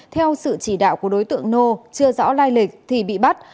theo sự chỉ đạo của đối tượng nô chưa rõ lai lịch thì bị bắt